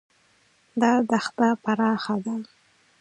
دا دښت پراخه ده.